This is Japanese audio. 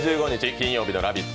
金曜日の「ラヴィット！」